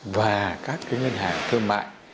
và các cái ngân hàng thương mại